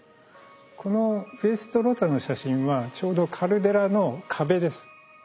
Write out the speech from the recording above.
このウエスト・ロタの写真はちょうどカルデラの壁です。